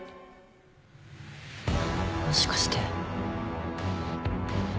もしかして。